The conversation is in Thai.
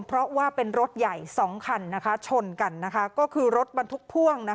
เพราะว่าเป็นรถใหญ่๒คันชนกันนะคะก็คือรถบรรทุกพ่วง